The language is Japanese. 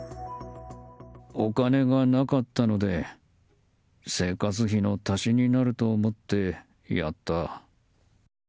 お金がなかったので生活費の足しになると思ってやった。